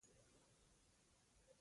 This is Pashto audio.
زما ستونره له دوی سره وه